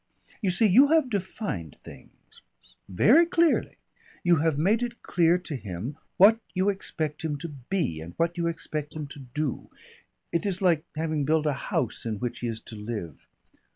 "You see you have defined things very clearly. You have made it clear to him what you expect him to be, and what you expect him to do. It is like having built a house in which he is to live.